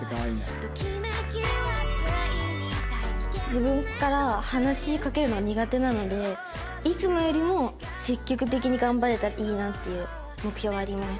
自分から話しかけるのが苦手なのでいつもよりも積極的に頑張れたらいいなっていう目標はあります。